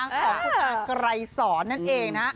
ของทุกอากรายสรนั่นเองนะ